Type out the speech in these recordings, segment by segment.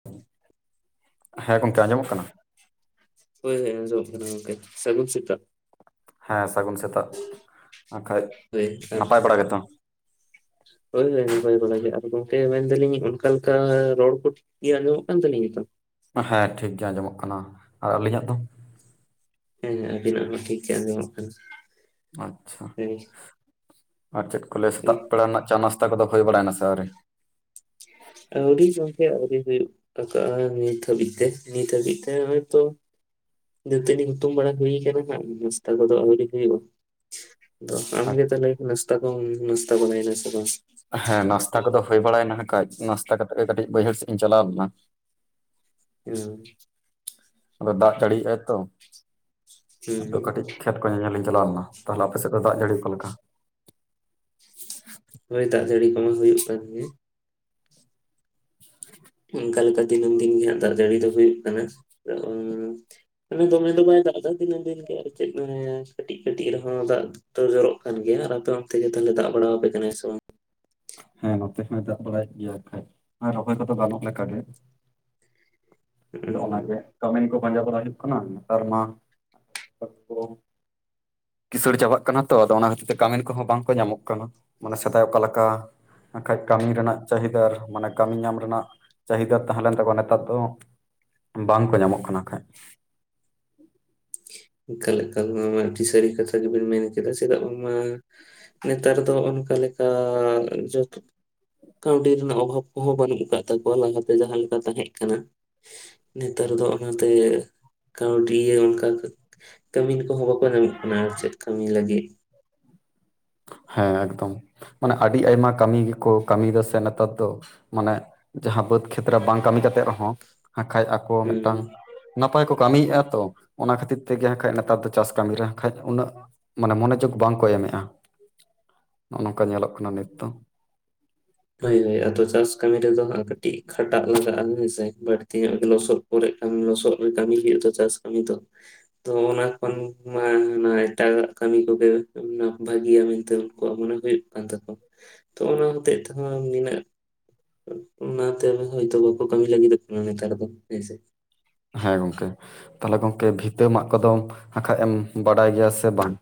[inaudible] ᱦᱮᱸ ᱜᱚᱝᱠᱮ ᱟᱸᱡᱚᱢᱚᱜ ᱠᱟᱱᱟ? ᱦᱳᱭ ᱦᱳᱭ ᱟᱸᱡᱚᱢᱚᱜ ᱠᱟᱱᱟ ᱜᱚᱝᱠᱮ ᱥᱟᱹᱜᱩᱱ ᱥᱮᱛᱟᱜ᱾ ᱦᱮᱸ ᱥᱟᱹᱜᱩᱱ ᱥᱮᱛᱟᱜ, ᱟᱸᱠᱷᱟᱡ ᱦᱳᱭ ᱟᱨ ᱱᱟᱯᱟᱭ ᱵᱟᱲᱟ ᱜᱮᱛᱚ? ᱦᱳᱭ ᱦᱳᱭ ᱱᱟᱯᱟᱭ ᱵᱟᱲᱟ ᱜᱮ, ᱟᱫᱚ ᱜᱚᱝᱠᱮ ᱢᱮᱱ ᱫᱟ ᱞᱤᱧ ᱚᱱᱠᱟ ᱞᱮᱠᱟ ᱨᱚᱲ ᱠᱚ ᱴᱷᱤᱠ ᱜᱮ ᱟᱸᱡᱚᱢᱚᱜ ᱠᱟᱱ ᱛᱟᱹᱞᱤᱧᱼᱟ ᱛᱚ? ᱦᱮᱸ ᱴᱷᱤᱠ ᱜᱮ ᱟᱸᱡᱚᱢᱚᱜ ᱠᱟᱱᱟ ᱟᱨ ᱟᱹᱞᱤᱧᱟᱜ ᱫᱚ? ᱦᱮᱸ ᱦᱮᱸ ᱟ! ᱵᱤᱱᱟᱜ ᱦᱚᱸ ᱴᱷᱤᱠ ᱜᱮ ᱟᱸᱡᱚᱢᱚᱜ ᱠᱟᱱᱟ᱾ ᱟᱪᱪᱷᱟ᱾ ᱦᱳᱭ ᱟᱨ ᱪᱮᱫ ᱠᱚ ᱞᱟᱹᱭᱟ ᱥᱮᱛᱟᱜ ᱵᱮᱲᱟ ᱨᱮᱱᱟᱜ ᱪᱟ ᱱᱟᱥᱛᱟ ᱠᱚᱫᱚ ᱦᱳᱭ ᱵᱟᱲᱟᱭᱮᱱᱟ ᱥᱮ ᱟᱹᱣᱨᱤ? ᱟᱹᱣᱨᱤ ᱜᱚᱝᱠᱮ ᱟᱹᱣᱨᱤ ᱦᱩᱭᱩᱜ᱾ ᱟᱠᱟᱼᱟᱭ ᱱᱤᱛ ᱦᱟ. ᱵᱤᱡ ᱛᱮ, ᱱᱤᱛ ᱦᱟᱹᱵᱤᱡ ᱛᱮ ᱦᱚᱭ ᱛᱚ ᱫᱟᱹᱛᱟᱹᱱᱤ ᱦᱩᱛᱩᱢ ᱵᱟᱲᱟ ᱦᱩᱭ ᱟᱠᱟᱱᱟ ᱱᱷᱟᱸᱜ, ᱱᱟᱥᱛᱟ ᱠᱚᱫᱚ ᱟᱹᱣᱨᱤ ᱦᱩᱭᱩᱜᱼᱟ? ᱟᱫᱚ ᱟᱢ ᱜᱮ ᱟᱪ- ᱛᱟᱦᱮᱞᱮ ᱱᱟᱥᱛᱟ ᱠᱚᱢ ᱱᱟᱥᱛᱟ ᱵᱟᱲᱟ ᱭᱮᱱᱟ ᱥᱮ ᱵᱟᱝ? ᱦᱮᱸ ᱱᱟᱥᱛᱟ ᱠᱚᱫᱚ ᱦᱳᱭ ᱵᱟᱲᱟᱭᱮᱱᱟ ᱦᱮᱸ ᱠᱷᱟᱡ ᱱᱟᱥᱛᱟ ᱠᱟᱛᱮᱫ ᱜᱮ ᱠᱟᱹᱴᱤᱡ ᱵᱟᱹᱭᱦᱟᱹᱲ ᱥᱮᱫ ᱤᱧ ᱪᱟᱞᱟᱣ ᱞᱮᱱᱟ᱾ ᱩᱸ ᱟᱫᱚ ᱫᱟᱜ ᱡᱟᱹᱲᱤᱭᱮᱜᱼᱟᱭ ᱛᱚ ᱦᱩᱸ ᱟᱫᱚ ᱠᱟᱹᱴᱤᱡ ᱠᱷᱮᱛ ᱠᱚ ᱧᱮᱧᱮᱞ ᱤᱧ ᱪᱟᱞᱟᱣ ᱞᱮᱱᱟ, ᱛᱟᱦᱚᱞᱮ ᱟᱯᱮ ᱥᱮᱫ ᱫᱚ ᱫᱟᱜ ᱡᱟᱹᱲᱤ ᱚᱠᱟ ᱞᱮᱠᱟ? ᱦᱳᱭ ᱫᱟᱜ ᱡᱟᱹᱲᱤ ᱠᱚᱢᱟ ᱦᱩᱭᱩᱜ ᱠᱟᱱ ᱜᱮ᱾ [inaudible] ᱚᱱᱠᱟ ᱞᱮᱠᱟ ᱫᱤᱱᱟᱹᱢ ᱫᱤᱱ ᱜᱮ ᱦᱟᱸᱜ ᱫᱟᱜ ᱡᱟᱹᱲᱤ ᱫᱚ ᱦᱩᱭᱩᱜ ᱠᱟᱱᱟ, ᱟᱫᱚ ᱚᱱ ᱚᱱᱮ ᱫᱚᱢᱮ ᱫᱚᱢᱮ ᱫᱟᱜ ᱮᱫᱟᱭ ᱫᱤᱱᱟᱹᱢ ᱫᱤᱱ ᱜᱮ ᱟᱨ ᱪᱮᱫ ᱢᱮᱱᱼᱟᱸ, ᱠᱟᱹᱴᱤᱡ ᱠᱟᱹᱴᱤᱡ ᱨᱮᱦᱚᱸ ᱫᱟᱜ ᱫᱚ ᱡᱚᱨᱚᱜ ᱠᱟᱱ ᱜᱮᱭᱟ, ᱟᱨ ᱟᱯᱮ ᱚᱱᱛᱮ ᱜᱮ ᱛᱟᱦᱮᱞᱮ ᱫᱟᱜ ᱵᱟᱲᱟᱣ ᱟᱯᱮ ᱠᱟᱱᱟ ᱥᱮ ᱵᱟᱝ? ᱦᱮᱸ ᱱᱚᱛᱮ ᱦᱚᱸᱭ ᱫᱟᱜ ᱵᱟᱲᱟ ᱭᱮᱫ ᱜᱮᱭᱟ, ᱮᱸᱠᱷᱟᱡ ᱨᱚᱦᱚᱭ ᱠᱚᱫᱚ ᱜᱟᱱᱚᱜ ᱞᱮᱠᱟ ᱜᱮ᱾ ᱟᱫᱚ ᱚᱱᱟᱜᱮ ᱠᱟᱹᱢᱤᱱ ᱠᱚ ᱯᱟᱸᱡᱟ ᱵᱟᱲᱟ ᱦᱩᱭᱩᱜ ᱠᱟᱱᱟ ᱱᱮᱛᱟᱨ ᱢᱟ [unintelligible] ᱠᱤᱥᱟᱹᱬ ᱪᱟᱵᱟᱜ ᱠᱟᱱᱟ ᱛᱚ, ᱟᱫᱚ ᱚᱱᱟ ᱠᱷᱟᱹᱛᱤᱨ ᱛᱮ ᱠᱟᱹᱢᱤᱱ ᱠᱚᱦᱚᱸ ᱵᱟᱝ ᱠᱚ ᱧᱟᱢᱚᱜ ᱠᱟᱱᱟ, ᱢᱟᱱᱮ ᱥᱮᱫᱟᱭ ᱚᱠᱟ ᱞᱮᱠᱟ ᱵᱟᱸᱠᱷᱟᱡ ᱠᱟᱹᱢᱤ ᱨᱮᱱᱟᱜ ᱪᱟᱹᱦᱤᱫᱟᱨ, ᱢᱟᱱᱮ ᱠᱟᱹᱢᱤ ᱧᱟᱢ ᱨᱮᱱᱟᱜ ᱪᱟᱹᱦᱤᱫᱟᱨ ᱛᱟᱦᱮᱸ ᱞᱮᱱ ᱛᱟᱠᱚᱣᱟ ᱱᱮᱛᱟᱨ ᱫᱚ ᱵᱟᱝ ᱠᱚ ᱧᱟᱢᱚᱜ ᱠᱟᱱᱟ ᱮᱸᱠᱷᱟᱡ᱾ ᱮᱠᱟᱠ ᱮᱠᱟᱞ ᱱᱚᱣᱟ ᱢᱟ ᱟᱹᱰᱤ ᱥᱟᱹᱨᱤ ᱠᱟᱛᱷᱟ ᱜᱮᱵᱤᱱ ᱢᱮᱱ ᱠᱮᱫᱟ ᱪᱮᱫᱟᱜ ᱵᱟᱝ ᱢᱟ ᱱᱮᱛᱟᱨ ᱫᱚ ᱚᱱᱠᱟ ᱞᱮᱠᱟ ᱡᱚᱛᱚ ᱠᱟᱺᱶᱰᱤ ᱨᱮᱱᱟᱜ ᱚᱵᱷᱟᱵᱽ ᱠᱚᱦᱚᱸ ᱵᱟᱹᱱᱩᱜ ᱟᱠᱟᱫ ᱛᱟᱠᱚᱣᱟ ᱞᱟᱦᱟᱛᱮ ᱡᱟᱦᱟᱸ ᱞᱮᱠᱟ ᱛᱟᱦᱮᱸᱜ ᱠᱟᱱᱟ, ᱱᱮᱛᱟᱨ ᱫᱚ ᱚᱱᱟ ᱛᱮᱜᱮ ᱠᱟᱺᱶᱰᱤ ᱚᱱᱠᱟ ᱠᱟᱛ- ᱠᱟᱹᱢᱤᱱ ᱠᱚᱦᱚᱸ ᱵᱟᱠᱚ ᱧᱟᱢᱚᱜ ᱠᱟᱱᱟ ᱟᱨ ᱪᱮᱫ ᱠᱟᱹᱢᱤ ᱞᱟᱹᱜᱤᱫ᱾ ᱦᱮᱸ ᱮᱠᱫᱚᱢ ᱢᱟᱱᱮ ᱟᱹᱰᱤ ᱟᱭᱢᱟ ᱠᱟᱹᱢᱤ ᱜᱮᱠᱚ ᱠᱟᱹᱢᱤᱭᱮᱫᱟ ᱥᱮ ᱱᱮᱛᱟᱨ ᱫᱚ, ᱢᱟᱱᱮᱜ ᱡᱟᱦᱟᱸ ᱵᱟᱹᱫᱽ ᱠᱷᱮᱛ ᱨᱮ ᱵᱟᱝ ᱠᱟᱹᱢᱤ ᱠᱟᱛᱮᱫ ᱨᱮᱦᱚᱸ ᱦᱟᱸᱠᱷᱟᱭᱮ ᱟᱠᱚ ᱦᱩᱸ ᱢᱤᱫᱴᱟᱝ ᱱᱟᱯᱟᱭ ᱠᱚ ᱠᱟᱹᱢᱤᱭᱮᱜ-ᱟ ᱛᱚ ᱚᱱᱟ ᱠᱷᱟᱹᱛᱤᱨ ᱛᱮᱜᱮ ᱦᱟᱸᱠᱷᱟᱡ ᱱᱮᱛᱟᱨ ᱫᱚ ᱪᱟᱥ ᱠᱟᱹᱢᱤ ᱨᱮ ᱦᱟᱸᱠᱷᱟᱡ ᱩᱱᱟᱹᱜ ᱢᱟᱱᱮ ᱢᱚᱱᱮ ᱡᱳᱜᱽ ᱵᱟᱝᱠᱚ ᱮᱢ ᱮᱸᱜ-ᱟ, ᱱᱚᱜ-ᱚ ᱱᱚᱝᱠᱟ ᱧᱮᱞᱚᱜ ᱠᱟᱱᱟ ᱱᱤᱛ ᱫᱚ᱾ ᱦᱳᱭ ᱦᱳᱭ ᱟᱫᱚ ᱪᱟᱥ ᱠᱟᱹᱢᱤ ᱨᱮᱫᱚ ᱦᱟᱸᱜ ᱠᱟᱹᱴᱤᱜ ᱠᱷᱟᱴᱟᱜ ᱞᱟᱜᱟᱜ-ᱟ, ᱦᱮᱸᱥᱮ ᱵᱟᱹᱲᱛᱤ ᱧᱚᱜ ᱜᱮ ᱞᱚᱥᱚᱫ ᱯᱚᱨᱮᱜ ᱠᱷᱟᱱ ᱞᱚᱥᱚᱫ ᱨᱮ ᱠᱟᱹᱢᱤ ᱦᱩᱭᱩᱜ ᱫᱚ ᱪᱟᱥ ᱠᱟᱹᱢᱤ ᱫᱚ, ᱛᱚ ᱚᱱᱟ ᱠᱷᱚᱱ ᱱᱚᱶᱟ ᱚᱱᱟ ᱮᱴᱟᱜᱟᱜ ᱠᱟᱹᱢᱤ ᱠᱚᱜᱮ ᱢᱟᱱᱮ ᱵᱷᱟᱹᱜᱤᱭᱟ ᱢᱮᱱᱛᱮ ᱩᱱᱠᱩᱣᱟᱜ ᱢᱚᱱᱮ ᱦᱩᱭᱩᱜ ᱠᱟᱱ ᱛᱟᱠᱚᱣᱟ᱾ ᱛᱚ ᱚᱱᱟ ᱦᱚᱛᱮᱡ ᱛᱮᱦᱚᱸ ᱱᱤᱱᱟᱹᱜ ᱚᱱ ᱚᱱᱟᱛᱮ ᱟᱞᱮ ᱦᱚᱭᱛᱚ ᱵᱟᱠᱚ ᱠᱟᱹᱢᱤ ᱞᱟᱹᱜᱤᱫᱚᱜ ᱠᱟᱱᱟ ᱱᱮᱛᱟᱨ ᱫᱚ ᱦᱮᱸ ᱥᱮ? ᱦᱮᱸ ᱜᱚᱝᱠᱮ ᱛᱟᱦᱚᱞᱮ ᱜᱚᱝᱠᱮ ᱵᱷᱤᱛᱟᱹ ᱢᱟᱜ ᱠᱚᱫᱚᱢ ᱦᱟᱸ ᱠᱷᱟᱜ ᱮᱢ ᱵᱟᱰᱟᱭ ᱜᱮᱭᱟ ᱥᱮ ᱵᱟᱝ?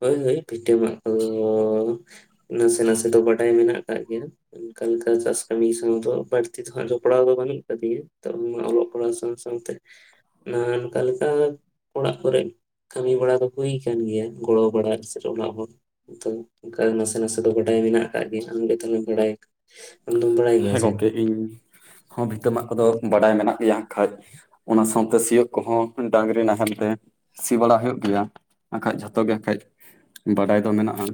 ᱦᱳᱭ ᱦᱳᱭ ᱵᱷᱤᱴᱟᱹ ᱢᱟᱜ ᱠᱚᱫᱚᱻ ᱱᱟᱥᱮ ᱱᱟᱥᱮ ᱫᱚ ᱵᱟᱰᱟᱭ ᱢᱮᱱᱟᱜ ᱠᱟᱜ ᱜᱮᱭᱟ, ᱚᱱᱠᱟ ᱞᱮᱠᱟ ᱪᱟᱥ ᱠᱟᱹᱢᱤ ᱥᱟᱶ ᱫᱚ ᱵᱟᱹᱲᱛᱤ ᱫᱚ ᱦᱟᱸᱜ ᱡᱚᱯᱲᱟᱣ ᱫᱚ ᱵᱟᱹᱱᱩᱜ ᱟᱠᱟᱫ ᱫᱤᱧᱟᱹ, ᱱᱮᱛᱟᱨ ᱚᱞᱚᱜ ᱯᱟᱲᱦᱟᱣ ᱥᱟᱶ ᱥᱟᱶ ᱥᱟᱶᱛᱮ ᱱᱟ ᱱᱚᱝᱠᱟ ᱞᱮᱠᱟ ᱚᱲᱟᱜ ᱠᱚᱨᱮ ᱠᱟᱹᱢᱤ ᱵᱟᱲᱟ ᱫᱚ ᱦᱩᱭ ᱠᱟᱱ ᱜᱮᱭᱟ᱾ ᱜᱚᱲᱚ ᱵᱟᱲᱟ ᱥᱮ ᱚᱲᱟᱜ ᱦᱚᱲ ᱛᱚ ᱚᱱᱠᱟ ᱱᱟᱥᱮ ᱱᱟᱥᱮ ᱫᱚ ᱵᱟᱰᱟᱭ ᱢᱮᱱᱟᱜ ᱠᱟᱜ ᱜᱮᱭᱟ, ᱟᱢ ᱜᱮ ᱛᱟᱦᱚᱞᱮ ᱵᱟᱲᱟᱭᱫᱟ᱾ ᱟᱢᱫᱚ ᱵᱟᱲᱟᱭ ᱜᱮᱭᱟ ᱦᱮᱸ ᱥᱮ? ᱜᱚᱝᱠᱮ ᱤᱧ ᱦᱚᱸ ᱵᱷᱤᱛᱟᱹ ᱢᱟᱜ ᱠᱚᱫᱚ ᱵᱟᱰᱟᱭ ᱢᱮᱱᱟᱜ ᱜᱮᱭᱟ ᱦᱟᱸᱜ ᱠᱷᱟᱡ ᱚᱱᱟ ᱥᱟᱶᱛᱮ ᱥᱤᱭᱳᱜ ᱠᱚᱦᱚᱸ ᱰᱟᱝᱨᱤ ᱱᱟᱦᱮᱞ ᱛᱮ ᱥᱤ ᱵᱟᱲᱟ ᱦᱩᱭᱩᱜ ᱜᱮᱭᱟ ᱦᱟᱸᱠᱷᱟᱡ ᱡᱷᱚᱛᱚ ᱜᱮᱠᱷᱟᱡ ᱵᱟᱰᱟᱭ ᱫᱚ ᱢᱮᱱᱟᱜᱼᱟ᱾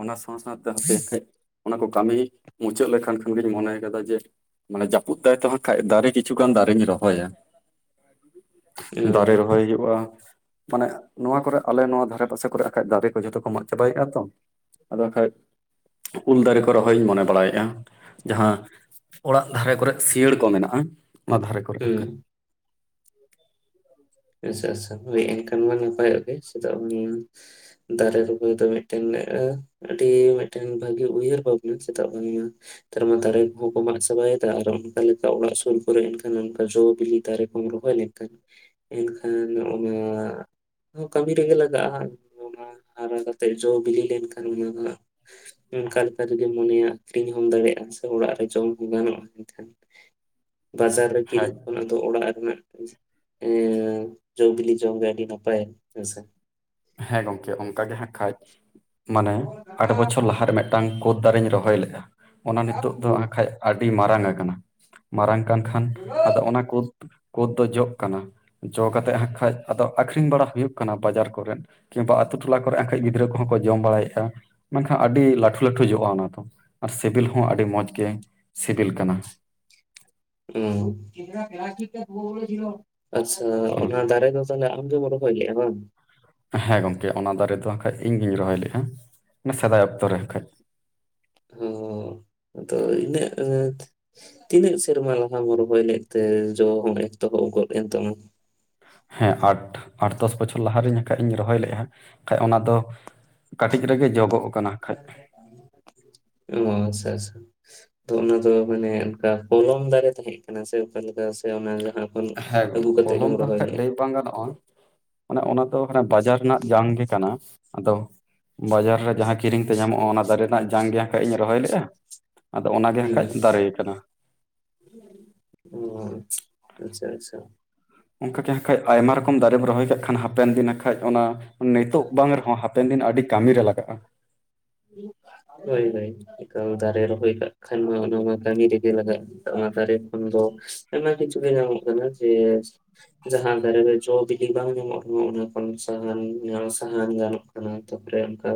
ᱚᱱᱟ ᱥᱟᱶ-ᱥᱟᱶᱛᱮ ᱦᱟᱯᱮ ᱠᱷᱟᱡ ᱚᱱᱟ ᱠᱚ ᱠᱟᱹᱢᱤ ᱢᱩᱪᱟᱹᱫ ᱞᱟᱹᱜᱤᱫ ᱠᱷᱟᱱᱜᱤᱧ ᱢᱚᱱᱮ ᱠᱟᱫᱟ ᱡᱮ ᱢᱟᱱᱮ ᱡᱟᱹᱯᱩᱫ ᱫᱟᱭ ᱛᱟ ᱦᱟᱸᱜᱠᱷᱟᱡ ᱫᱟᱨᱮ ᱠᱤᱪᱷᱩᱜᱟᱱ ᱫᱟᱨᱮᱧ ᱨᱚᱦᱚᱭ-ᱟ᱾ ᱚ ᱫᱟᱨᱮ ᱨᱚᱦᱚᱭ ᱦᱩᱭᱩᱜ-ᱟ ᱢᱟᱱᱮ ᱱᱚᱣᱟ ᱠᱚᱨᱮᱜ ᱟᱞᱮ ᱱᱚᱣᱟ ᱫᱷᱟᱨᱮ ᱯᱟᱥᱮ ᱠᱚᱨᱮ ᱵᱟᱠᱷᱟᱡ ᱫᱟᱨᱮ ᱠᱚ ᱡᱚᱛᱚ ᱠᱚ ᱢᱟᱜ ᱪᱟᱵᱟᱭᱼᱟ ᱛᱚ, ᱟᱫᱚ ᱦᱟᱸᱠᱟᱡ ᱩᱞ ᱫᱟᱨᱮ ᱠᱚ ᱨᱚᱦᱚᱭ ᱤᱧ ᱢᱚᱱᱮ ᱵᱟᱲᱟᱭᱮᱜ-ᱟ᱾ ᱡᱟᱦᱟᱸ ᱚᱲᱟᱜ ᱫᱷᱟᱨᱮ ᱠᱚᱨᱮ ᱥᱤᱭᱟᱹᱟᱹᱲ ᱠᱚ ᱢᱮᱱᱟᱜᱼᱟ ᱚᱱᱟ ᱫᱷᱟᱨᱮ ᱠᱚᱨᱮ ᱦᱩᱸ ᱦᱟᱸᱠᱷᱟᱡ᱾ [inaudible] ᱟᱪᱪᱷᱟ ᱟᱪᱪᱷᱟ ᱦᱚᱭ ᱮᱱᱠᱷᱟᱱ ᱢᱟ ᱱᱟᱯᱟᱭᱚᱜ ᱜᱮ ᱪᱮᱫᱟᱜ ᱢᱟ ᱫᱟᱨᱮ ᱨᱚᱦᱚᱭ ᱫᱚ ᱢᱤᱫᱴᱮᱱ [inaudible] ᱟᱹᱰᱤ ᱢᱤᱫᱴᱮᱱ ᱵᱷᱟᱹᱜᱤ ᱩᱭᱦᱟᱹᱨ ᱵᱷᱟᱵᱽᱱᱟ ᱪᱮᱫᱟᱜ ᱵᱟᱝᱢᱟ ᱱᱮᱛᱟᱨ ᱢᱟ ᱫᱟᱨᱮ ᱠᱚᱦᱚᱸ ᱠᱚ ᱢᱟᱜ ᱪᱟᱵᱟᱭᱮᱫᱟ ᱟᱨ ᱚᱱᱠᱟ ᱞᱮᱠᱟ ᱚᱲᱟᱜ ᱥᱩᱨ ᱠᱚᱨᱮ ᱮᱱᱠᱷᱟᱱ ᱚᱱᱠᱟ ᱡᱚ ᱵᱤᱞᱤ ᱫᱟᱨᱮ ᱵᱟᱢ ᱨᱚᱦᱚᱭ ᱞᱮᱱᱠᱷᱟᱱ ᱮᱱᱠᱷᱟᱱ ᱚᱱᱟ ᱠᱟᱹᱢᱤ ᱨᱮᱜᱮ ᱞᱟᱜᱟᱜᱼᱟ᱾ ᱚᱱᱟ ᱦᱟᱨᱟ ᱠᱟᱛᱮᱜ ᱡᱚ ᱵᱤᱞᱤ ᱞᱮᱱᱠᱷᱟᱱ ᱚᱱᱟ ᱦᱟᱸᱜ ᱚᱱᱠᱟ ᱞᱮᱠᱟ ᱡᱩᱫᱤ ᱢᱚᱱᱮᱭᱟ ᱟᱹᱠᱷᱨᱤᱧ ᱦᱚᱸᱢ ᱫᱟᱲᱮᱭᱟᱜᱼᱟ ᱥᱮ ᱚᱲᱟᱜ ᱨᱮ ᱡᱚᱢ ᱦᱚᱸ ᱜᱟᱱᱚᱜᱼᱟ ᱮᱱᱠᱷᱟᱱ᱾ ᱵᱟᱡᱟᱨ ᱨᱮ ᱦᱮᱸ ᱠᱤᱨᱤᱧ ᱠᱷᱚᱱᱟᱜ ᱫᱚ ᱚᱲᱟᱜ ᱨᱮᱱᱟᱜ ᱮᱸ ᱡᱚ ᱵᱤᱞᱤ ᱡᱚᱢ ᱜᱮ ᱟᱹᱰᱤ ᱱᱟᱯᱟᱭ ᱦᱮᱸᱥᱮ? ᱦᱮᱸ ᱜᱚᱝᱠᱮ ᱚᱱᱠᱟᱜ ᱜᱮ ᱦᱟᱸᱜ ᱠᱷᱟᱡ ᱢᱟᱱᱮ ᱟᱴ ᱵᱚᱪᱷᱚᱨ ᱞᱟᱦᱟᱨᱮ ᱢᱮᱫ ᱴᱟᱝ ᱠᱳᱫᱽ ᱫᱟᱨᱮᱧ ᱨᱚᱦᱚᱭ ᱞᱮᱜᱼᱟ ᱚᱱᱟ ᱱᱤᱛᱚᱜ ᱫᱚ ᱦᱩᱸ ᱠᱷᱟᱡ ᱟᱹᱰᱤ ᱢᱟᱨᱟᱝ ᱟᱠᱟᱱᱟ, ᱢᱟᱨᱟᱝ ᱠᱟᱱ ᱠᱷᱟᱱ ᱟᱫᱚ ᱚᱱᱟ ᱠᱩᱫ ᱠᱩᱳᱫᱽ ᱫᱚ ᱡᱚᱜ ᱠᱟᱱᱟ ᱡᱚ ᱠᱟᱛᱮᱫ ᱦᱟᱸᱜ ᱠᱷᱟᱡ ᱟᱫᱚ ᱟᱠᱷᱨᱤᱧ ᱵᱟᱲᱟ ᱦᱩᱭᱩᱜ ᱠᱟᱱᱟ ᱵᱟᱡᱟᱨ ᱠᱚᱨᱮᱫ, ᱠᱤᱢᱵᱟ ᱟᱹᱛᱩ ᱴᱚᱞᱟ ᱠᱚᱨᱮᱱ ᱟᱠᱷᱟᱡ ᱜᱤᱫᱽᱨᱟᱹ ᱠᱚᱦᱚᱸ ᱠᱚ ᱡᱚᱢ ᱵᱟᱲᱟᱭᱮᱜᱼᱟ ᱢᱮᱱᱠᱷᱟᱱ ᱟᱹᱰᱤ ᱞᱟᱹᱴᱩ ᱞᱟᱹᱴᱩ ᱡᱚᱜᱼᱟ ᱚᱱᱟ ᱫᱚ᱾ ᱟᱨ ᱥᱤᱵᱤᱞ ᱦᱚᱸ ᱟᱹᱰᱤ ᱢᱚᱸᱡᱽ ᱜᱮ ᱥᱤᱵᱤᱞ ᱠᱟᱱᱟ᱾ ᱦᱩᱸ ᱟᱪᱪᱷᱟ ᱚᱱᱟ ᱫᱟᱨᱮ ᱫᱚ ᱛᱟᱦᱚᱞᱮ ᱟᱢᱜᱮᱢ ᱨᱚᱦᱚᱭ ᱞᱮᱫᱼᱟ ᱵᱟᱝ? ᱦᱮᱸ ᱜᱚᱢᱠᱮ ᱚᱱᱟ ᱫᱟᱨᱮ ᱫᱚ ᱠᱷᱟᱡ ᱤᱧ ᱜᱤᱧ ᱨᱚᱦᱚᱭ ᱞᱮᱼᱟ ᱥᱮᱫᱟᱭ ᱚᱠᱛᱚᱨᱚ ᱟᱠᱷᱟᱡ᱾ ᱦᱚᱸ ᱟᱫᱚ ᱤᱱᱟᱹᱜ ᱟᱸᱴ ᱛᱤᱱᱟᱹᱜ ᱥᱮᱨᱢᱟ ᱞᱟᱦᱟᱢ ᱨᱚᱦᱚᱭ ᱞᱮᱫ ᱛᱮ ᱡᱚ ᱦᱚᱸ ᱮᱠᱛᱚᱦᱚᱵ ᱜᱚᱫ ᱮᱱ ᱛᱟᱢᱟ? ᱦᱮᱸ ᱟᱴ ᱟᱴ ᱫᱚᱥ ᱵᱚᱪᱷᱚᱨ ᱞᱟᱦᱟᱨᱤᱧ ᱠᱷᱟᱡ ᱤᱧ ᱨᱚᱦᱚᱭ ᱞᱮᱜᱼᱟ ᱠᱷᱟᱡ ᱚᱱᱟ ᱫᱚ ᱠᱟᱹᱴᱤᱡ ᱨᱮᱜᱮ ᱡᱚᱜᱚᱠ ᱠᱟᱱᱟ ᱠᱷᱟᱡ, ᱚ ᱟᱪᱪᱷᱟ ᱟᱪᱪᱷᱟ᱾ ᱛᱚ ᱚᱱᱟ ᱫᱚ ᱢᱟᱱᱮ ᱚᱱᱠᱟ ᱠᱚᱞᱚᱢ ᱫᱟᱨᱮ ᱛᱟᱦᱮᱸ ᱠᱟᱱᱟ ᱥᱮ ᱚᱠᱟᱞᱮᱠᱟ ᱥᱮ ᱚᱱᱟ ᱡᱟᱦᱟᱸ ᱠᱷᱚᱱ ᱦᱮᱸ ᱟᱹᱜᱩ ᱠᱟᱛᱮᱜ ᱠᱚᱞᱚᱢ ᱜᱮᱢ ᱫᱚ ᱨᱚᱦᱚᱭ ᱠᱷᱟᱡ ᱞᱮᱫᱼᱟ ᱞᱟᱹᱭ ᱵᱟᱝ ᱜᱟᱱᱚᱜᱼᱟ᱾ ᱚᱱᱮ ᱚᱱᱟ ᱫᱚ ᱵᱟᱡᱟᱨ ᱨᱮᱱᱟᱜ ᱡᱟᱝ ᱜᱮ ᱠᱟᱱᱟ ᱟᱫᱚ ᱵᱟᱡᱟᱨ ᱨᱮ ᱡᱟᱦᱟᱸ ᱠᱤᱨᱤᱧ ᱛᱮ ᱧᱟᱢᱚᱜᱼᱟ ᱚᱱᱟ ᱫᱟᱨᱮ ᱨᱮᱱᱟᱜ ᱡᱟᱝ ᱜᱮ ᱟᱠᱷᱟᱡ ᱤᱧ ᱨᱚᱦᱚᱭ ᱞᱮᱜᱼᱟ᱾ ᱟᱫᱚ ᱚᱱᱟᱜᱮ ᱦᱩᱸ ᱦᱟᱸᱠᱷᱟᱡ ᱫᱟᱨᱮ ᱠᱟᱱᱟ᱾ ᱚ ᱟᱪᱪᱷᱟ ᱟᱪᱪᱷᱟ ᱟᱪᱪᱷᱟ ᱾ ᱚᱱᱠᱟᱜᱮ ᱦᱟᱸᱠᱷᱟᱡ ᱟᱭᱢᱟ ᱨᱚᱠᱚᱢ ᱫᱟᱨᱮᱢ ᱨᱚᱦᱚᱭ ᱠᱟᱜ ᱠᱷᱟᱱ ᱦᱟᱯᱮᱱ ᱫᱤᱱ ᱦᱟᱸᱠᱷᱟᱡ ᱚᱱᱟ ᱱᱤᱛᱳᱜ ᱵᱟᱝ ᱨᱮᱦᱚᱸ, ᱦᱟᱯᱮᱱ ᱫᱤᱱ ᱟᱹᱰᱤ ᱠᱟᱹᱢᱤᱨᱮ ᱞᱟᱜᱟᱜᱼᱟ᱾ ᱦᱳᱭ ᱦᱳᱭ ᱮᱠᱟᱞ ᱫᱟᱨᱮ ᱨᱚᱦᱚᱭ ᱠᱟᱜ ᱠᱷᱟᱱ ᱢᱟ, ᱚᱱᱟ ᱢᱟ ᱠᱟᱹᱢᱤ ᱨᱮᱜᱮ ᱞᱟᱜᱟᱜᱼᱟ᱾ ᱚᱱᱟ ᱫᱟᱨᱮ ᱠᱷᱚᱱ ᱫᱚ᱾ ᱟᱭᱢᱟ ᱠᱤᱪᱷᱩ ᱜᱮ ᱧᱟᱢᱚᱜ ᱠᱟᱱᱟ ᱡᱮ ᱡᱟᱦᱟᱸ ᱫᱟᱨᱮ ᱨᱮ ᱡᱚ ᱵᱤᱞᱤ ᱵᱟᱝ ᱧᱟᱢᱚᱜ᱾ ᱨᱮᱦᱚᱸ, ᱚᱱᱟ ᱠᱷᱚᱱ ᱥᱟᱦᱟᱱ ᱥᱟᱦᱟᱱ ᱜᱟᱱᱚᱜ ᱠᱟᱱᱟ ᱛᱟᱯᱚᱨᱮ ᱚᱱᱠᱟ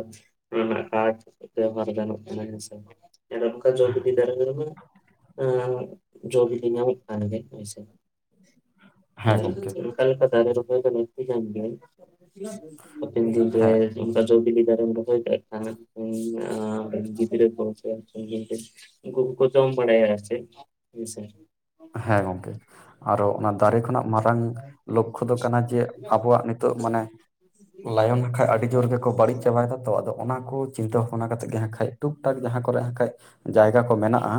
[unintelligible] ᱜᱟᱱᱚᱜ ᱠᱟᱱᱟ ᱦᱮᱸᱥᱮ᱾ [unintelligible] ᱡᱚ ᱵᱤᱞᱤ ᱧᱟᱢᱚᱜ ᱠᱟᱱ ᱜᱮᱭᱟ ᱦᱚᱳᱭ ᱥᱮ ᱦᱮᱸ ᱟᱨ ᱜᱚᱢᱠᱮ ᱚᱱᱠᱟ ᱞᱮᱠᱟ ᱫᱟᱨᱮ ᱨᱚᱦᱚᱭ ᱫᱚ ᱞᱟᱹᱠᱛᱤ ᱠᱟᱱ ᱜᱮᱭᱟ ᱦᱟᱯᱮᱱ ᱫᱤᱱᱨᱮ ᱦᱮᱸ ᱚᱱᱠᱟ ᱡᱚ ᱵᱤᱞᱤ ᱫᱟᱨᱮᱢ ᱨᱚᱦᱚᱭ ᱠᱟ ᱠᱷᱟᱱ [unintelligible] ᱜᱤᱫᱨᱟᱹ ᱠᱚ [unintelligible] ᱩᱱ ᱠᱩᱠᱩ ᱡᱚᱢ ᱵᱟᱲᱟᱭᱟ ᱟᱨᱪᱮᱛ ᱦᱮᱸᱥᱮ᱾ ᱦᱮᱸ ᱜᱚᱝᱠᱮ ᱟᱨᱚ ᱚᱱᱟ ᱫᱟᱨᱮ ᱠᱷᱚᱱᱟᱜ ᱢᱟᱨᱟᱝ ᱞᱚᱠᱠᱷᱚ ᱫᱚ ᱠᱟᱱᱟ ᱡᱮ ᱟᱵᱚᱣᱟᱜ ᱱᱤᱛᱚᱜ ᱢᱟᱱᱮ ᱞᱟᱭᱚᱱ ᱠᱟᱷᱡ ᱟᱹᱰᱤ ᱡᱳᱨ ᱜᱮᱠᱚ ᱵᱟᱹᱲᱤᱡ ᱪᱟᱵᱟᱭᱫᱟ ᱛᱚ ᱟᱫᱚ ᱚᱱᱟ ᱠᱩ ᱪᱤᱱᱛᱟᱹ ᱵᱷᱟᱵᱱᱟ ᱠᱟᱛᱮᱫ ᱜᱮ ᱦᱟᱸᱜ ᱠᱷᱟᱡ ᱴᱩᱠ ᱴᱟᱠ ᱡᱟᱦᱟᱸ ᱠᱚᱨᱮ ᱦᱟᱸ ᱠᱷᱟᱡ ᱡᱟᱭᱜᱟ ᱠᱚ ᱢᱮᱱᱟᱜᱼᱟ᱾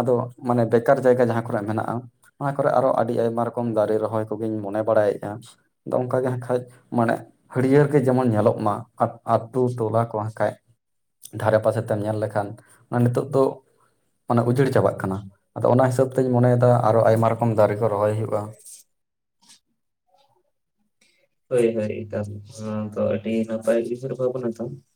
ᱟᱫᱚ ᱢᱟᱱᱮ ᱵᱮᱠᱟᱨ ᱡᱟᱭᱜᱟ ᱡᱟᱦᱟᱸ ᱠᱚᱨᱮ ᱢᱮᱱᱟᱜᱼᱟ᱾ ᱚᱱᱟ ᱠᱚᱨᱮ ᱟᱨᱚ ᱟᱹᱰᱤ ᱟᱭᱢᱟ ᱨᱚᱠᱚᱢ ᱫᱟᱨᱮ ᱨᱚᱦᱚᱭ ᱠᱚᱜᱮᱧ ᱢᱚᱱᱮ ᱵᱟᱲᱟᱭᱮᱫᱼᱟ᱾ ᱟᱫᱚ ᱚᱝᱠᱟᱜᱮ ᱦᱮᱠᱷᱟᱡ ᱢᱟᱱᱮ, ᱦᱟᱹᱲᱭᱟᱹᱲ ᱜᱮ ᱡᱮᱢᱚᱱ ᱧᱮᱞᱚᱜ ᱢᱟ᱾ ᱟ ᱟᱛᱳ ᱴᱚᱞᱟ ᱠᱚ ᱦᱟᱸᱜ ᱠᱟᱷᱟᱡ ᱫᱷᱟᱨᱮ ᱯᱟᱥᱮ ᱛᱮᱢ ᱧᱮᱞ ᱞᱮᱠᱷᱟᱱ, ᱚᱱᱟ ᱱᱤᱛᱚᱜ ᱫᱚ ᱢᱟᱱᱮ ᱩᱡᱟᱹᱲ ᱪᱟᱵᱟᱜ ᱠᱟᱱᱟ᱾ ᱟᱫᱚ ᱚᱱᱟ ᱦᱤᱥᱟᱹᱵ ᱛᱮᱧ ᱢᱚᱱᱮᱭ ᱫᱟ ᱟᱨᱚ ᱟᱭᱢᱟ ᱨᱚᱠᱚᱢ ᱫᱟᱨᱮ ᱠᱚ ᱨᱚᱦᱚᱭ ᱦᱩᱭᱩᱜᱼᱟ᱾ ᱦᱳᱭ ᱦᱳᱭ ᱮᱠᱟᱞ ᱱᱚᱣᱟ ᱫᱚ ᱟᱹᱰᱤ ᱱᱟᱯᱟᱭᱞᱤ ᱥᱮ [unintelligible]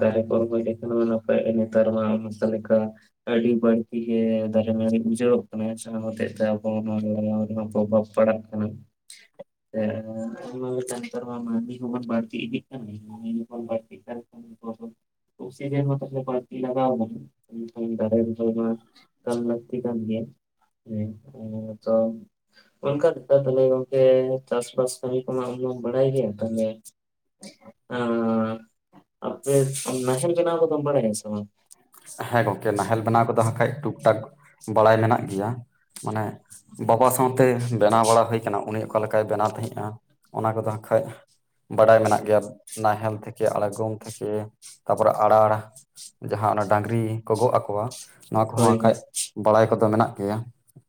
ᱫᱟᱨᱮ ᱠᱚ ᱨᱚᱦᱚᱭ ᱞᱮᱠᱷᱟᱱ ᱢᱟ ᱱᱟᱯᱟᱭᱚᱜᱼᱟ᱾ [unintelligible] ᱟᱹᱰᱤ ᱵᱟᱹᱲᱛᱤ ᱜᱮ ᱫᱟᱨᱮ ᱱᱟᱹᱲᱤ ᱩᱡᱷᱟᱹᱚᱜ ᱠᱟᱱᱟ᱾ ᱡᱟᱦᱟᱸ ᱦᱚᱛᱮᱡ ᱛᱮ ᱟᱵᱚ ᱱᱚᱣᱟ ᱨᱮᱱᱟᱜ ᱯᱨᱚᱵᱷᱟ ᱯᱟᱲᱟᱜ ᱠᱟᱱᱟ᱾ [inaudible] [unintelligible] [unintelligible] [unintelligible] ᱛᱚ [unintelligible] ᱚᱱᱠᱟ ᱞᱮᱠᱟ ᱛᱟᱦᱞᱮ ᱜᱚᱝᱠᱮ ᱪᱟᱥ ᱵᱟᱥ ᱠᱟᱹᱢᱤ ᱠᱚᱢᱟ, ᱟᱢᱦᱚᱢ ᱵᱟᱲᱟᱭ ᱜᱮᱭᱟ ᱛᱟᱦᱞᱮ ᱟᱜᱸ ᱟᱯᱮ ᱱᱟᱦᱮᱞ ᱵᱮᱱᱟᱣ ᱠᱚᱫᱚᱢ ᱵᱟᱲᱟᱭ ᱥᱮ ᱵᱟᱝ? ᱦᱮᱸ ᱜᱚᱝᱠᱮ ᱱᱟᱦᱮᱞ ᱵᱮᱱᱟᱣ ᱠᱚᱫᱚ ᱦᱟᱸᱠᱷᱟᱡ, ᱴᱩᱠ ᱴᱟᱠ ᱵᱟᱲᱟᱭ ᱢᱮᱱᱟᱜ ᱜᱮᱭᱟ ᱢᱟᱱᱮ ᱵᱟᱵᱟ ᱥᱟᱶᱛᱮ ᱵᱮᱱᱟᱣ ᱵᱟᱲᱟ ᱦᱩᱭ ᱠᱟᱱᱟ, ᱩᱱᱤ ᱚᱠᱟ ᱞᱮᱠᱟᱭ ᱵᱮᱱᱟᱣ ᱛᱟᱦᱤᱜᱼᱟ ᱚᱱᱟ ᱠᱚᱫᱚ ᱦᱟᱸᱜ ᱠᱷᱟᱡ ᱵᱟᱰᱟᱭ ᱢᱮᱱᱟᱜ ᱜᱮᱭᱟ, ᱱᱟᱦᱮᱞ, ᱛᱷᱮᱠᱮ, ᱟᱲᱜᱚᱢ ᱛᱷᱮᱠᱮ, ᱛᱟᱨᱯᱚᱨᱮ ᱟᱲᱟᱲ᱾ ᱡᱟᱦᱟᱸ ᱚᱱᱟ ᱰᱟᱹᱝᱨᱤ ᱠᱚ ᱜᱚᱜ ᱟᱠᱚᱣᱟ ᱱᱚᱣᱟ ᱠᱚᱦᱚᱸ ᱦᱳᱭ ᱠᱷᱟᱡ ᱦᱳᱭ ᱵᱟᱲᱟᱭ ᱠᱚᱫᱚ ᱢᱮᱱᱟᱜ ᱜᱮᱭᱟ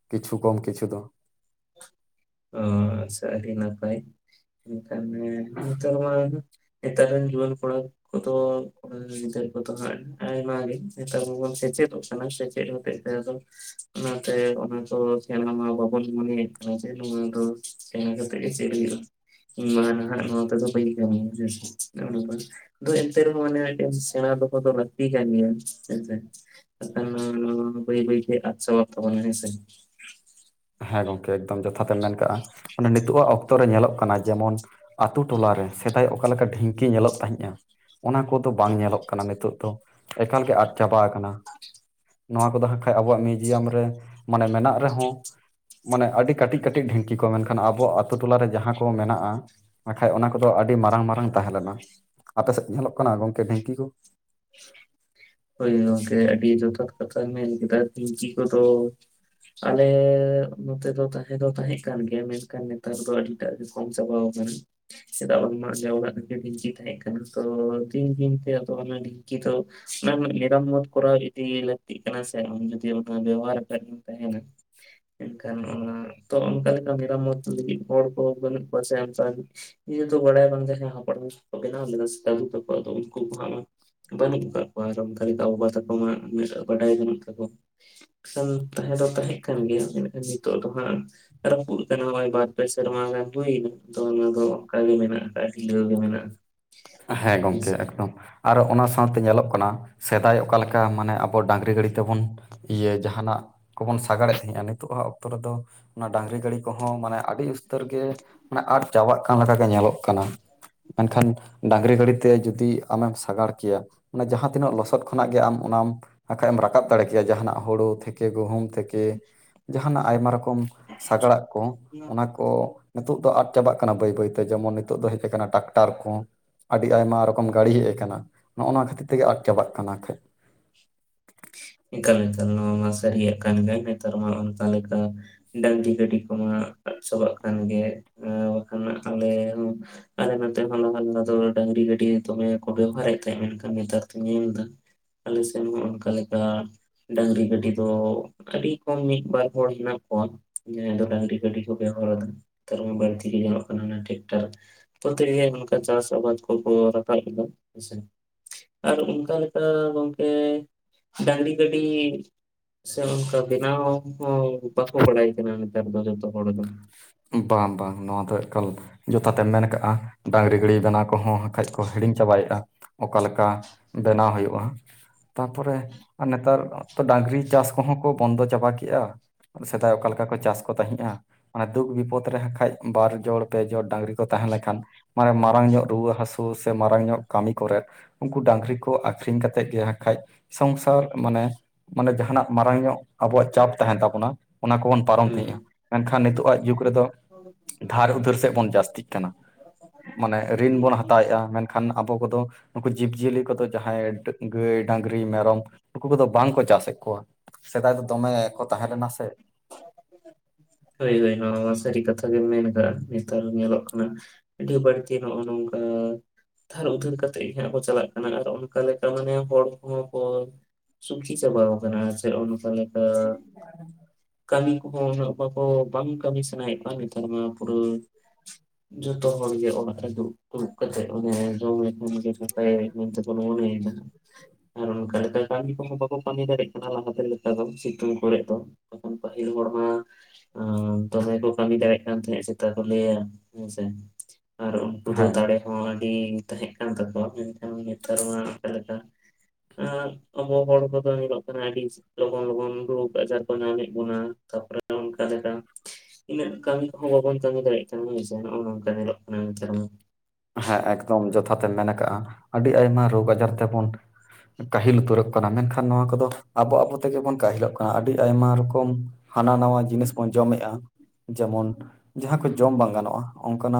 ᱠᱤᱪᱷᱩ ᱠᱚᱢ ᱠᱤᱪᱷᱩ ᱫᱚ᱾ ᱚᱸ ᱥᱟᱹᱨᱤ ᱱᱟᱯᱟᱭ [unintelligible] ᱱᱮᱛᱟᱨ ᱨᱮᱱ ᱡᱩᱣᱟᱹᱱ ᱠᱚᱲᱟ ᱠᱚᱫᱚ ᱟᱭᱢᱟ ᱜᱮ ᱱᱮᱛᱟᱨ ᱢᱟᱵᱚᱱ ᱥᱮᱪᱮ ᱫᱚᱜ ᱠᱟᱱᱟ᱾ ᱥᱮᱪᱮᱫ ᱦᱚᱛᱮᱡ ᱛᱮ ᱟᱫᱚ ᱚᱱᱟᱛᱮ ᱚᱱᱟ ᱠᱚ ᱥᱮᱸᱬᱟᱭ ᱢᱟ ᱵᱟᱵᱚᱱ ᱢᱚᱱᱮ ᱡᱮ ᱚᱱᱟ ᱫᱚ ᱥᱮᱲᱟ ᱪᱮᱫ ᱠᱟᱛᱮ ᱜᱮ ᱪᱮᱫ ᱦᱩᱭᱩᱜ-ᱟ᱾ [unintelligible] ᱟᱫᱚ ᱮᱱᱛᱮ ᱨᱮᱦᱚᱸ ᱚᱱᱮ ᱥᱮᱬᱟ ᱫᱚᱦᱚ ᱫᱚ, ᱞᱟᱹᱠᱛᱤ ᱠᱟᱱ, ᱜᱮᱭᱟ ᱦᱮᱸᱥᱮ᱾ [unintelligible] ᱵᱟᱹᱭ ᱵᱟᱹᱭ ᱛᱮ ᱟᱫ ᱪᱟᱵᱟᱜ ᱛᱟᱵᱚᱱᱟ ᱦᱮᱸ ᱥᱮ᱾ ᱦᱮᱸ ᱜᱚᱝᱠᱮ ᱮᱠᱫᱚᱢ ᱡᱚᱛᱷᱟ ᱛᱮᱢ ᱢᱮᱱ ᱠᱟᱜ-ᱟ ᱱᱤᱛᱳᱜ ᱟᱜ ᱚᱠᱛᱚ ᱨᱮ ᱧᱮᱞᱚᱜ ᱠᱟᱱᱟ ᱡᱮᱢᱚᱱ ᱟᱹᱛᱩ ᱴᱚᱞᱟ ᱨᱮ ᱥᱮᱫᱟᱭ ᱚᱠᱟ ᱞᱮᱠᱟ ᱰᱷᱤᱝᱠᱤ ᱧᱮᱞᱚᱜ ᱛᱟᱦᱮᱸᱫᱡ-ᱟ ᱚᱱᱟ ᱠᱚᱫᱚ ᱵᱟᱝ ᱧᱮᱞᱚᱜ ᱠᱟᱱᱟ ᱱᱤᱛᱳᱜ ᱫᱚ ᱮᱠᱟᱞ ᱜᱮ ᱟᱫ ᱪᱟᱵᱟᱣ ᱟᱠᱟᱱᱟ, ᱱᱚᱣᱟ ᱠᱚᱫᱚ ᱦᱟᱸᱜ ᱠᱷᱟᱱ ᱟᱵᱚᱣᱟᱜ ᱢᱤᱭᱩᱡᱤᱭᱟᱢ ᱨᱮ ᱢᱟᱱᱮ ᱢᱮᱱᱟᱜ ᱨᱮᱦᱚᱸ ᱢᱟᱱᱮ ᱟᱹᱰᱤ ᱠᱟᱹᱴᱤᱡ ᱠᱟᱹᱴᱤᱡ ᱰᱷᱤᱝᱠᱤ ᱠᱚ ᱢᱮᱱᱠᱷᱟᱱ ᱟᱵᱚ ᱟᱛᱩ ᱴᱚᱞᱟᱨᱮ ᱡᱟᱦᱟᱸ ᱠᱚ ᱢᱮᱱᱟᱜ-ᱟ, ᱱᱟᱜᱠᱷᱟᱡ ᱚᱱᱟ ᱠᱚᱫᱚ ᱟᱹᱰᱤ ᱢᱟᱨᱟᱝ ᱢᱟᱨᱟᱝ ᱛᱟᱦᱮᱸ ᱞᱮᱱᱟ, ᱟᱯᱮ ᱥᱮᱫ ᱧᱮᱞᱚᱜ ᱠᱟᱱᱟ ᱜᱚᱝᱠᱮ ᱰᱷᱤᱝᱠᱤ ᱠᱚ? ᱦᱳᱭ ᱜᱚᱝᱠᱮ ᱟᱹᱰᱤ ᱡᱚᱛᱷᱟᱛ ᱠᱟᱛᱷᱟᱢ ᱢᱮᱱ ᱠᱮᱫᱟ ᱰᱷᱤᱝᱠᱤ ᱠᱚᱫᱚ ᱟᱞᱮ ᱱᱚᱛᱮ ᱫᱚ ᱛᱟᱦᱮᱸ ᱫᱚ ᱛᱟᱦᱮᱸᱜ ᱠᱟᱱ ᱜᱮᱭᱟ ᱢᱮᱱᱠᱷᱟᱱ ᱱᱮᱛᱟᱨ ᱫᱚ ᱟᱹᱰᱤ ᱴᱟᱜ ᱜᱮ ᱠᱚᱢ ᱪᱟᱵᱟᱣ ᱠᱟᱱᱟ᱾ ᱪᱮᱫᱟᱜ ᱵᱟᱝᱢᱟ ᱱᱮ ᱦᱚᱲᱟᱜ ᱰᱷᱤᱝᱠᱤ ᱛᱟᱦᱮᱸᱜ ᱠᱟᱱᱟ ᱛᱚ ᱫᱤᱱ ᱫᱤᱱ ᱛᱮ ᱟᱫᱚ ᱚᱱᱟ ᱰᱷᱤᱝᱠᱤ ᱫᱚ ᱚᱱᱟ ᱢᱟᱱᱮ ᱢᱮᱨᱟᱢ ᱢᱚᱛ ᱠᱚᱨᱟᱣ ᱤᱫᱤ ᱞᱟᱹᱠᱛᱤᱜ ᱠᱟᱱᱟ ᱥᱮ ᱟᱢ ᱡᱩᱫᱤ ᱚᱱᱟ ᱵᱮᱵᱚᱦᱟᱨ ᱠᱟ ᱜᱮᱢ ᱛᱟᱦᱮᱱᱟ, ᱮᱱᱠᱷᱟᱱ ᱚᱱᱟ ᱛᱚ ᱚᱱᱠᱟ ᱞᱮᱠᱟ ᱢᱮᱨᱟᱢᱚᱛ ᱞᱟᱹᱜᱤᱫ ᱦᱚᱲ ᱠᱚ ᱵᱟᱹᱱᱩᱜ ᱠᱚᱣᱟ ᱥᱮ ᱟᱢ ᱥᱟ ᱱᱤᱭᱟ ᱫᱚ ᱵᱟᱲᱟᱭ ᱵᱟᱝ [unintelligible] ᱩᱱᱠᱩ ᱵᱟᱹᱱᱩᱜ ᱠᱟᱫ ᱟᱨ ᱚᱱ ᱠᱚᱣᱟ ᱟᱨ ᱚᱱᱠᱟ ᱞᱮᱠᱟ ᱵᱟᱵᱟ ᱛᱟᱠᱚ ᱢᱟ ᱵᱟᱰᱟᱭ ᱵᱟᱹᱱᱩᱜ ᱛᱟᱠᱚᱣᱟ ᱛᱚᱝ ᱛᱟᱦᱮᱸ ᱫᱚ ᱛᱟᱦᱮᱸᱜ ᱠᱟᱱ ᱜᱮᱭᱟ ᱢᱮᱱᱠᱷᱟᱱ ᱱᱤᱛᱳᱜ ᱫᱚ ᱦᱟᱸᱜ ᱵᱟᱨ ᱯᱮ ᱥᱮᱨᱢᱟ ᱜᱟᱱ ᱦᱩᱭ ᱱᱟ ᱫᱚ ᱚᱱᱟ ᱫᱚ ᱚᱝᱠᱟ ᱜᱮ ᱢᱮᱱᱟᱜ ᱠᱟᱜ-ᱟ ᱰᱷᱤᱞᱟᱹᱣ ᱜᱮ ᱢᱮᱱᱟᱜ-ᱟ᱾ ᱦᱮᱸ ᱜᱚᱝᱠᱮ ᱮᱠᱫᱚᱢ ᱟᱨ ᱚᱱᱟ ᱥᱟᱶᱛᱮ ᱧᱮᱞᱚᱜ ᱠᱟᱱᱟ ᱥᱮᱫᱟᱭ ᱚᱠᱟ ᱞᱮᱠᱟ ᱢᱟᱱᱮ ᱟᱵᱚ ᱰᱟᱝᱨᱤ ᱜᱟᱹᱰᱤ ᱛᱮᱵᱚᱱ ᱤᱭᱟᱹ ᱡᱟᱦᱟᱱᱟᱜ ᱠᱚᱵᱚᱱ ᱥᱟᱜᱟᱲᱮᱫ ᱛᱟᱦᱮᱸᱫ-ᱟ ᱱᱤᱛᱳᱜ ᱟᱜ ᱚᱠᱛᱚ ᱨᱮᱫᱚ ᱚᱱᱟ ᱰᱟᱹᱝᱨᱤ ᱜᱟᱹᱰᱤ ᱠᱚᱦᱚᱸ ᱢᱟᱱᱮ ᱟᱹᱰᱤ ᱩᱥᱛᱟᱹᱨ ᱜᱮ ᱢᱟᱱᱮ ᱟᱫ ᱪᱟᱵᱟᱜ ᱠᱟᱱ ᱜᱮ ᱧᱮᱞᱚᱜ ᱠᱟᱱᱟ ᱮᱱᱠᱷᱟᱱ ᱰᱟᱹᱝᱨᱤ ᱜᱟᱹᱰᱤ ᱛᱮ ᱡᱩᱫᱤ ᱟᱢᱮᱢ ᱥᱟᱜᱟᱲ ᱠᱮᱭᱟ ᱚᱱᱮ ᱡᱟᱦᱟᱸ ᱛᱤᱱᱟᱹᱜ ᱞᱚᱥᱚᱫ ᱠᱷᱚᱱᱟᱜ ᱜᱮ ᱟᱢ ᱚᱱᱟᱢ ᱱᱟᱜ ᱠᱷᱟᱡ ᱮᱢ ᱨᱟᱠᱟᱵ ᱫᱟᱲᱮ ᱠᱮᱭᱟ ᱡᱟᱦᱟᱱᱟᱜ ᱦᱩᱲᱩ ᱛᱷᱮᱠᱮ ᱜᱩᱦᱩᱢ ᱛᱷᱮᱠᱮ ᱡᱟᱦᱟᱱᱟᱜ ᱟᱭᱢᱟ ᱨᱚᱠᱚᱢ ᱥᱟᱜᱟᱲᱟᱜ ᱠᱚ ᱚᱱᱟ ᱠᱚ ᱱᱤᱛᱳᱜ ᱫᱚ ᱟᱫ ᱪᱟᱵᱟᱜ ᱠᱟᱱᱟ ᱵᱟᱹᱭ ᱵᱟᱹᱭᱛᱮ ᱡᱮᱢᱚᱱ ᱱᱤᱛᱳᱜ ᱫᱚ ᱦᱮᱡ ᱟᱠᱟᱱᱟ ᱴᱨᱟᱠᱴᱟᱨ ᱠᱚ, ᱟᱹᱰᱤ ᱟᱭᱢᱟ ᱨᱚᱠᱚᱢ ᱜᱟᱹᱲᱤ ᱦᱮᱡ ᱟᱠᱟᱱᱟ ᱱᱚᱜ-ᱚ ᱱᱟ ᱠᱷᱟᱹᱛᱤᱨ ᱛᱮᱜᱮ ᱟᱫ ᱪᱟᱵᱟᱜ ᱠᱟᱱᱟ ᱠᱷᱟᱡ᱾ ᱮᱠᱟᱞ ᱮᱠᱟᱞ ᱱᱚᱣᱟ ᱢᱟ ᱥᱟᱹᱨᱤ ᱭᱟᱜ ᱠᱟᱱ ᱜᱮᱭᱟ ᱱᱮᱛᱟᱨ ᱢᱟ ᱚᱱᱠᱟ ᱞᱮᱠᱟ ᱰᱟᱹᱝᱨᱤ ᱜᱟᱹᱰᱤ ᱠᱚᱢᱟ ᱟᱫ ᱪᱟᱵᱟᱜ ᱠᱟᱱ ᱜᱮ ᱵᱟᱠᱷᱟᱱ ᱟᱞᱮ ᱦᱚᱸ ᱟᱞᱮ ᱱᱛᱮ ᱦᱚᱸ ᱞᱟᱦᱟ ᱫᱚ ᱰᱟᱹᱝᱨᱤ ᱜᱟᱹᱰᱤ ᱫᱚᱢᱮ ᱠᱚ ᱵᱮᱵᱚᱦᱟᱨᱮᱫ ᱛᱟᱦᱮᱸ ᱢᱮᱱᱠᱷᱟᱱ ᱱᱮᱛᱟᱨ ᱫᱩᱧ ᱧᱮᱞ ᱫᱟ ᱟᱞᱮ ᱥᱮᱱ ᱦᱚᱸ ᱚᱱᱠᱟ ᱞᱮᱠᱟ ᱰᱟᱝᱨᱤ ᱜᱟᱹᱰᱤ ᱫᱚ ᱟᱹᱰᱤ ᱠᱚᱢ ᱢᱤᱫ ᱵᱟᱨ ᱦᱚᱲ ᱦᱮᱱᱟᱜ ᱠᱚᱣᱟ ᱡᱟᱦᱟᱸᱭ ᱫᱚ ᱰᱟᱝᱨᱤ ᱜᱟᱹᱰᱤ ᱠᱚ ᱵᱮᱣᱦᱟᱨᱫᱟ᱾ ᱛᱟᱨ ᱢᱟᱱᱮ ᱵᱟᱹᱲᱛᱤ ᱜᱮ ᱧᱮᱞᱚᱜ ᱠᱟᱱᱟ ᱴᱮᱠᱴᱟᱨ, ᱛᱚ ᱛᱮᱨᱭᱟ ᱚᱱᱠᱟ ᱪᱟᱥ ᱟᱵᱟᱫ ᱠᱚᱠᱚ ᱨᱟᱠᱟᱵ ᱮᱫᱟ ᱦᱮᱸ ᱥᱮ, ᱟᱨ ᱚᱱᱠᱟ ᱞᱮᱠᱟ ᱜᱚᱝᱠᱮ ᱰᱟᱝᱨᱤ ᱜᱟᱹᱰᱤ, ᱥᱮ ᱚᱱᱠᱟ ᱵᱮᱱᱟᱣ ᱦᱚᱸ ᱵᱟᱠᱚ ᱵᱟᱲᱟᱭ ᱠᱟᱱᱟ, ᱛᱟᱨ ᱫᱚ ᱡᱚᱛᱚ ᱦᱚᱲ ᱫᱚ᱾ ᱵᱟ ᱵᱟᱝ ᱱᱚᱣᱟ ᱫᱚ ᱮᱠᱟᱞ ᱡᱚᱛᱟᱛᱮᱢ ᱢᱮᱱ ᱠᱟᱜ-ᱟ ᱰᱟᱝᱨᱤ ᱜᱟᱹᱲᱤ ᱵᱮᱱᱟᱣ ᱠᱚᱦᱚᱸ ᱱᱟᱠᱷᱟᱡ ᱠᱚ ᱦᱤᱲᱤᱧ ᱪᱟᱵᱟᱭᱮᱜ-ᱟ᱾ ᱚᱠᱟ ᱞᱮᱠᱟ ᱵᱮᱱᱟᱣ ᱦᱩᱭᱩᱜ-ᱟ᱾ ᱛᱟᱯᱚᱨᱮ ᱟᱨ ᱱᱮᱛᱟᱨ ᱰᱟᱝᱨᱤ ᱪᱟᱥ ᱠᱚᱦᱚᱸ ᱠᱚ ᱵᱚᱱᱫᱚ ᱪᱟᱵᱟ ᱠᱮᱜ-ᱟ᱾ ᱥᱮᱫᱟᱭ ᱚᱠᱟ ᱞᱮᱠᱟ ᱠᱚ ᱪᱟᱥ ᱠᱚ ᱛᱟᱦᱮᱸᱜ-ᱟ᱾ ᱫᱩᱠ ᱵᱤᱯᱚᱫᱽ ᱨᱮ ᱦᱟᱜ ᱠᱷᱟᱡ ᱵᱟᱨ ᱡᱲ ᱯᱮ ᱡᱚᱲ ᱰᱟᱝᱨᱤ ᱠᱚ ᱛᱟᱦᱮᱸ ᱞᱮᱱᱠᱷᱟᱱ ᱢᱟᱱᱮ ᱢᱟᱨᱟᱝ ᱧᱚᱜ ᱨᱩᱣᱟᱹ ᱦᱟᱹᱥᱩ ᱥᱮ ᱢᱟᱨᱟᱝ ᱧᱚᱜ ᱠᱟᱹᱢᱤ ᱠᱚᱨᱮᱜ ᱩᱜᱠᱩ ᱰᱟᱝᱨᱤ ᱠᱚ ᱟᱠᱷᱨᱤᱧ ᱠᱟᱛᱮᱜ ᱜᱮ ᱱᱟᱜ ᱠᱷᱟᱡ ᱥᱚᱝᱥᱟᱨ ᱢᱟᱱᱮ, ᱢᱟᱱᱮ ᱡᱟᱦᱟᱸᱱᱟᱜ ᱢᱟᱨᱟᱝ ᱧᱚᱜ ᱟᱵᱚᱣᱟᱜ ᱪᱟᱯ ᱛᱟᱦᱮᱱ ᱛᱟᱵᱚᱱᱟ ᱚᱱᱟ ᱠᱚᱵᱚᱱ ᱯᱟᱨᱚᱢ ᱦᱩᱸ ᱛᱟᱦᱮᱸᱜᱼᱟ ᱢᱮᱱᱠᱷᱟᱱ ᱱᱤᱛᱳ ᱟᱜ ᱡᱩᱜᱽ ᱨᱮᱫᱚ ᱫᱷᱟᱨ ᱩᱫᱷᱟᱹᱨ ᱥᱮᱫ ᱵᱚᱱ ᱡᱟᱹᱥᱛᱤᱜ ᱠᱟᱱᱟ᱾ ᱢᱟᱱᱮ ᱨᱤᱱ ᱵᱚᱱ ᱦᱟᱛᱟᱣᱮᱫᱼᱟ ᱢᱮᱱᱠᱷᱟᱱ ᱟᱵᱚ ᱠᱚᱫᱚ ᱱᱩᱠᱩ ᱡᱤᱵᱽᱡᱤᱭᱟᱹᱞᱤ ᱠᱚᱫᱚ ᱡᱟᱦᱟᱸᱭ ᱰᱟᱹ ᱜᱟᱹᱭ, ᱰᱟᱝᱨᱤ, ᱢᱮᱨᱚᱢ ᱱᱩᱠᱩ ᱠᱚᱫᱚ ᱵᱟᱝᱠᱚ ᱪᱟᱥᱮᱫ ᱠᱚᱣᱟ᱾ ᱥᱮᱫᱟᱭ ᱫᱚ ᱫᱚᱢᱮ ᱠᱚ ᱛᱟᱦᱮ ᱞᱮᱱᱟ ᱥᱮ᱾ ᱦᱳᱭ-ᱦᱳᱭ ᱱᱚᱣᱟ ᱥᱟᱹᱨᱤ ᱠᱟᱛᱷᱟ ᱜᱮᱢ ᱢᱮᱱ ᱠᱟᱜ-ᱟ ᱱᱮᱛᱟᱨ ᱧᱮᱞᱚᱜ ᱠᱟᱱᱟ ᱟᱹᱰᱤ ᱵᱟ. ᱲᱛᱤ ᱱᱚᱜᱼᱚ ᱱᱚᱝᱠᱟ ᱫᱷᱟᱨ ᱩᱫᱷᱟᱹᱨ ᱠᱟᱛᱮᱜ ᱦᱟᱸᱜ ᱵᱚ ᱪᱟᱞᱟᱜ ᱠᱟᱱᱟ ᱟᱨ ᱚᱱᱠᱟ ᱞᱮᱠᱟ ᱢᱟᱱᱮ ᱦᱚᱲ ᱠᱚᱦᱚᱸ ᱠᱚ ᱥᱩᱠᱷᱤ ᱪᱟᱵᱟᱣ ᱠᱟᱱᱟ ᱥᱮ ᱚᱱᱠᱟ ᱞᱮᱠᱟ, ᱠᱟᱹᱢᱤ ᱠᱚᱦᱚᱸ ᱩᱱᱟᱹᱜ ᱵᱟᱠᱚ, ᱵᱟᱝ ᱠᱟᱹᱢᱤ ᱥᱟᱱᱟᱭᱮᱜ ᱠᱚᱣᱟ ᱱᱮᱛᱟᱨ ᱢᱟ ᱯᱩᱨᱟ. ᱡᱷᱚᱛᱚ ᱦᱚᱲᱜᱮ ᱚᱲᱟᱜ ᱨᱮ ᱫᱩᱲᱩᱵ-ᱫᱩᱲᱩᱵ ᱠᱟᱛᱮ ᱚᱱᱮ ᱡᱚᱢ ᱞᱮᱠᱷᱟᱱ ᱜᱮ ᱱᱟᱯᱟᱭ ᱢᱮᱱ ᱛᱮᱵᱚᱱ ᱢᱚᱱᱮᱭᱫᱟ ᱟᱨ ᱚᱱᱠᱟ ᱞᱮᱠᱟ ᱠᱟᱹᱢᱤ ᱠᱚᱦᱚᱸ ᱵᱟᱠᱚ ᱠᱟᱹᱢᱤ ᱫᱟᱲᱮᱭᱟᱜ ᱠᱟᱱᱟ ᱞᱟᱦᱟ ᱛᱮ ᱞᱮᱠᱟ ᱫᱚ ᱥᱤᱛᱩᱝ ᱠᱚᱨᱮᱫ ᱫᱚ ᱛᱚᱠᱷᱚᱱ ᱯᱟᱹᱦᱤᱞ ᱦᱚᱲ ᱢᱟ ᱟ ᱫᱚᱢᱮ ᱠᱚ ᱠᱟᱹᱢᱤ ᱫᱟᱲᱮᱜ ᱠᱟᱱ ᱛᱟᱦᱮᱸᱫ ᱪᱮᱛᱟ ᱠᱚ ᱞᱟᱹᱭᱟ ᱦᱮᱸᱥᱮ ᱟᱨ ᱩᱱᱠᱩ ᱫᱚ ᱦᱮᱸ ᱫᱟᱲᱮ ᱦᱚᱸ ᱟᱹᱰᱤ ᱛᱟᱦᱮᱸᱜ ᱠᱟᱱ ᱛᱟᱠᱚᱣᱟ ᱢᱮᱱᱠᱷᱟᱱ ᱱᱮᱛᱟᱨ ᱢᱟ ᱚᱠᱟ ᱞᱮᱠᱟ ᱟᱨ ᱟᱵᱚ ᱦᱚᱲ ᱠᱚ ᱫᱚ ᱧᱮᱞᱚᱜ ᱠᱟᱱᱟ ᱟᱹᱰᱤ ᱞᱚᱜᱚᱱ-ᱞᱚᱜᱚᱱ ᱨᱳᱜᱽ ᱟᱡᱟᱨ ᱠᱚ ᱧᱟᱢᱮᱫ ᱵᱚᱱᱟ ᱛᱟᱯᱚᱨᱮ ᱱᱚᱝᱠᱟ ᱞᱮᱠᱟ ᱤᱱᱟᱹᱜ ᱠᱟᱹᱢᱤ ᱠᱚᱦᱚᱸ ᱵᱟᱵᱚᱱ ᱠᱟᱹᱢᱤ ᱫᱟᱲᱮᱭᱟᱜ ᱠᱟᱱᱟ ᱦᱳᱭ ᱥᱮ ᱱᱚᱜᱼᱚ ᱱᱚᱝᱠᱟ ᱧᱮᱞᱚᱜ ᱠᱟᱱᱟ ᱱᱮᱛᱟᱨ ᱢᱟ᱾ ᱦᱮᱸ ᱮᱠᱫᱚᱢ ᱡᱚᱛᱷᱟᱛ ᱮᱢ ᱢᱮᱱ ᱠᱟᱜᱼᱟ, ᱟᱹᱰᱤ ᱟᱭᱢᱟ ᱨᱳᱜᱽ ᱟᱡᱟᱨ ᱛᱮᱵᱚᱱ ᱠᱟᱹᱦᱤᱞ ᱩᱛᱟᱹᱨᱚᱜ ᱠᱟᱱᱟ ᱢᱮᱱᱠᱷᱟᱱ ᱱᱚᱣᱟ ᱠᱚᱫᱚ ᱟᱵᱚ-ᱟᱵᱚ ᱛᱮᱜᱮ ᱵᱚᱱ ᱠᱟᱹᱦᱤᱞᱚᱜ ᱠᱟᱱᱟ ᱟᱹᱰᱤ ᱟᱭᱢᱟ ᱨᱚᱠᱚᱢ ᱦᱟᱱᱟ ᱱᱟᱣᱟ ᱡᱤᱱᱤᱥ ᱵᱚᱱ ᱡᱚᱢᱮᱫᱼᱟ ᱡᱮᱢᱚᱱ ᱡᱟᱦᱟᱸ ᱠᱚ ᱡᱚᱢ ᱵᱟᱝ ᱜᱟᱱᱚᱜᱼᱟ ᱚᱱᱠᱟᱱᱟᱜ